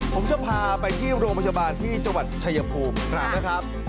ผมจะพาไปที่โรงพยาบาลที่จังหวัดชายภูมินะครับ